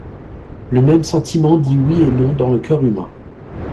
Le même sentiment dit oui et non dans le coeur humain.